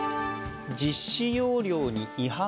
実施要領に違反？